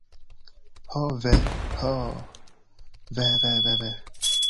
Ho ve. Ho ve ve ve ve.